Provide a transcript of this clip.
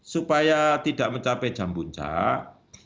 supaya tidak mencapai jam puncak